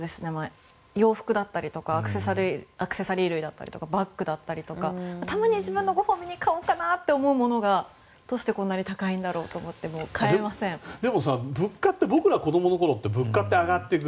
洋服だったりとかアクセサリー類だったりとかバッグだったりたまに自分のご褒美に買おうかなと思うものがどうしてこんなに高いんだろうと思ってでもさ、物価って僕ら子供のころって物価って上がっていく。